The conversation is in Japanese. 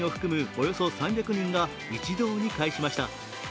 およそ３００人が一堂に会しました。